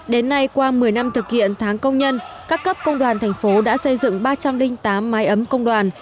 đến nay qua một mươi năm thực hiện tháng công nhân các cấp công đoàn tp hcm đã xây dựng ba trăm linh tám mái ấm công đoàn